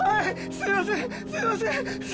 すいません